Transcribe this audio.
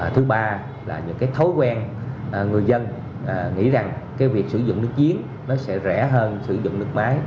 thứ ba là những thói quen người dân nghĩ rằng việc sử dụng nước diến sẽ rẻ hơn sử dụng nước máy